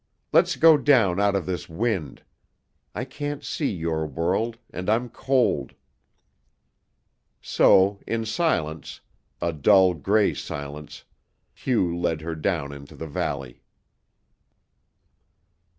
Let's go down out of this wind. I can't see your world, and I'm cold." So, in silence a dull gray silence Hugh led her down into the valley.